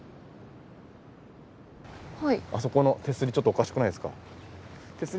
あそこの手すりちょっとおかしくないですか？